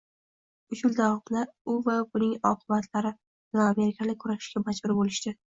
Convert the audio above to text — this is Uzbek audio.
Uch yil davomida u va Buning oqibatlari bilan amerikaliklar kurashishga majbur bo'lishdi